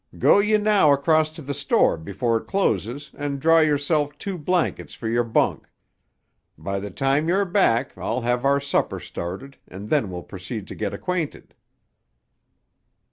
Go ye now across to the store before it closes and draw yerself two blankets for yer bunk. By the time you're back I'll have our supper started and then we'll proceed to get acqua'nted."